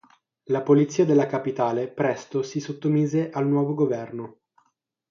La polizia della capitale presto si sottomise al nuovo governo.